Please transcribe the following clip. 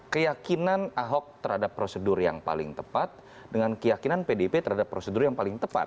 keyakinan ahok terhadap prosedur yang paling tepat dengan keyakinan pdip terhadap prosedur yang paling tepat